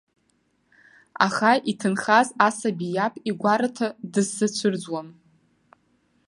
Аха иҭынхаз асаби, иаб игәараҭа дысзацәырӡуам.